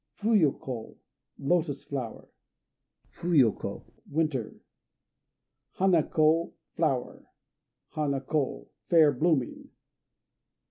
Fuyô ko "Lotos flower." Fuyu ko "Winter." Hana ko "Flower." Hana ko "Fair Blooming."